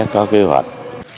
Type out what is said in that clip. có kế hoạch